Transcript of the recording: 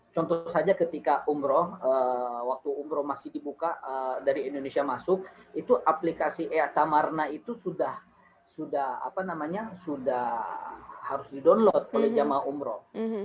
contoh saja ketika umroh waktu umroh masih dibuka dari indonesia masuk itu aplikasi ea tamarna itu sudah sudah apa namanya sudah harus di download oleh jamaah umroh